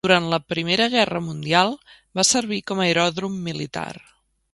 Durant la Primera Guerra Mundial, va servir com a aeròdrom militar.